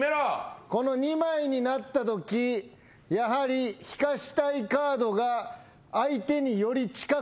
この２枚になったときやはり引かしたいカードが相手により近くなる。